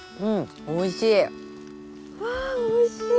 うわおいしい！